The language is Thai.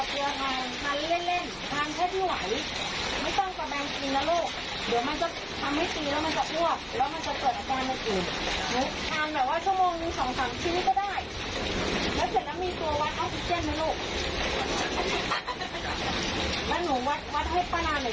กระบบห้วงข้างดูว่าให้มีโอกาส